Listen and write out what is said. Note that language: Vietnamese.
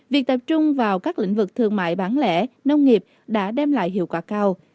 việc tập trung vào các lĩnh vực thương mại bán lẻ nông nghiệp đã đem lại hiệu quả cao